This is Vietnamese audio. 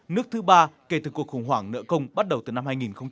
nước thứ ba kể từ cuộc khủng hoảng nợ công bắt đầu từ năm hai nghìn một mươi